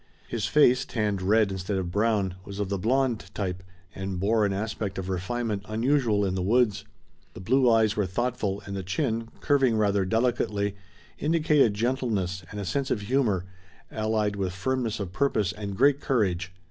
His face, tanned red instead of brown, was of the blonde type and bore an aspect of refinement unusual in the woods. The blue eyes were thoughtful and the chin, curving rather delicately, indicated gentleness and a sense of humor, allied with firmness of purpose and great courage.